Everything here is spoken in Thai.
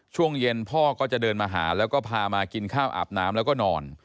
ช่วงเย็นพ่อก็จะเดินมาหาแล้วก็พามากินข้าวอาบน้ำแล้วก็นอน